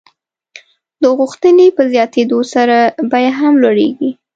د غوښتنې په زیاتېدو سره بیه هم لوړېږي.